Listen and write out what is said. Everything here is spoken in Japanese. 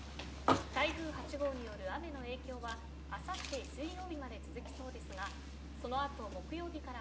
台風８号による雨の影響はあさって水曜日まで続きそうですがその後木曜日からは晴れて。